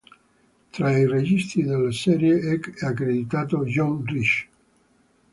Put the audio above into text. Tra i registi della serie è accreditato John Rich.